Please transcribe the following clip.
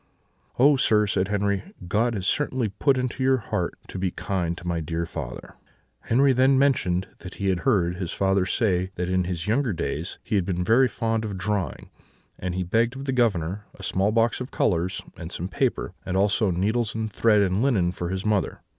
"'Oh, sir!' said Henri, 'God has certainly put it into your heart to be kind to my dear father.' "Henri then mentioned that he had heard his father say that in his younger days he had been very fond of drawing; and he begged of the Governor a small box of colours, and some paper; and also needles and thread and linen for his mother.